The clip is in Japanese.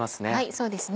そうですね。